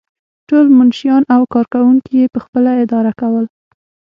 ټول منشیان او کارکوونکي یې پخپله اداره کول.